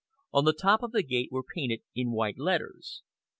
On the top bar of the gate was painted in white letters.